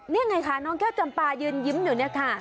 นี่ไงคะน้องแก้วจำปายืนยิ้มอยู่เนี่ยค่ะ